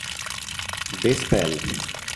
The Spell